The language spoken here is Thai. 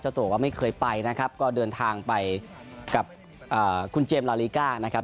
ตัวว่าไม่เคยไปนะครับก็เดินทางไปกับคุณเจมส์ลาลีก้านะครับ